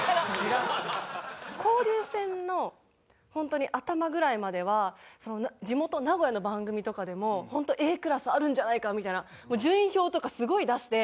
交流戦の本当に頭ぐらいまでは地元名古屋の番組とかでも本当Ａクラスあるんじゃないかみたいな順位表とかすごい出して。